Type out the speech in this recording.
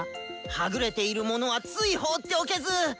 はぐれている者はつい放っておけず！